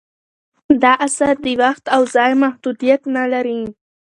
دا اثر د وخت او ځای محدودیت نه لري.